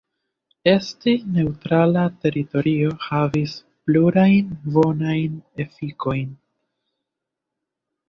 Esti "neŭtrala" teritorio havis plurajn bonajn efikojn.